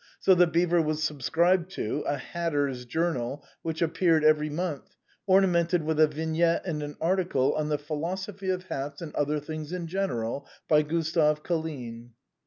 So ' The Beaver ' was subscribed to — a hatter's Journal, which appeared every month, ornamented with a vignette and an article on ' The Philosophy of Hats and other things in general,' by Gustave Colline.